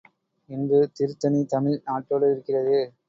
இன்று திருத்தணி தமிழ் நாட்டோடு இருக்கிறது.